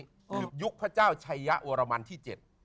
คราวยุคพเจ้าชายะวรมันที่๗